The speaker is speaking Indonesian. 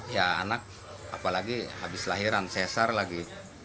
ya anak apalagi habis lahiran cesar lagi